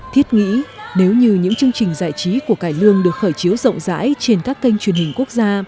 thiết nghĩ nếu như những chương trình giải trí của cải lương được khởi chiếu rộng rãi trên các kênh truyền hình quốc gia